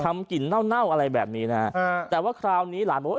ทำกลิ่นเน่าเน่าอะไรแบบนี้นะฮะอ่าแต่ว่าคราวนี้หลานบอกว่า